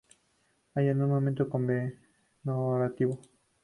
Hay un monumento conmemorativo.